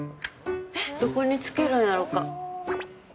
どこにつけるんやろか。